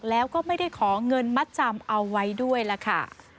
แล้วก็ไม่ได้ขอเงินมัดจำเอาไว้ด้วยล่ะค่ะ